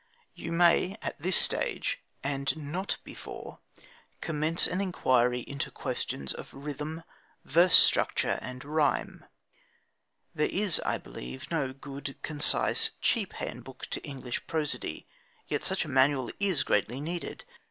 You may at this stage (and not before) commence an inquiry into questions of rhythm, verse structure, and rhyme. There is, I believe, no good, concise, cheap handbook to English prosody; yet such a manual is greatly needed.